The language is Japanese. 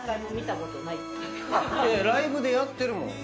ライブでやってるもん。